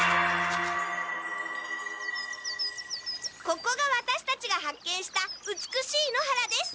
ここがワタシたちが発見した美しい野原です。